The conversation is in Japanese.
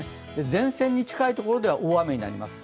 前線に近い所では大雨になります。